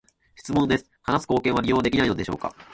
質問です、話す貢献は利用できないのでしょうか？